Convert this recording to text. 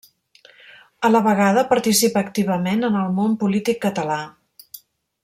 A la vegada participa activament en el món polític català.